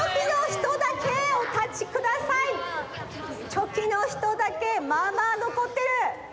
チョキのひとだけまあまあのこってる。